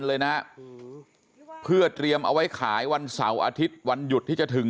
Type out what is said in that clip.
เลยนะเพื่อเตรียมเอาไว้ขายวันเสาร์อาทิตย์วันหยุดที่จะถึง